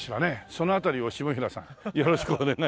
そのあたりを下平さんよろしくお願いします。